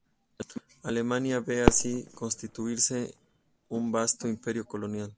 Alemania ve así constituirse un vasto imperio colonial.